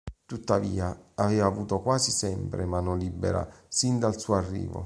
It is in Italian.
Tuttavia, aveva avuto quasi sempre mano libera sin dal suo arrivo.